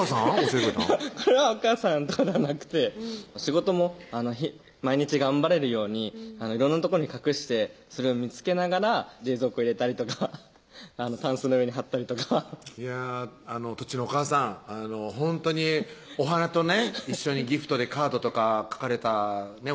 教えてくれたんこれはお母さんとかではなくて仕事も毎日頑張れるように色んなとこに隠してそれを見つけながら冷蔵庫入れたりとかたんすの上に貼ったりとかいやとっちのお母さんほんとにお花とね一緒にギフトでカードとか書かれたね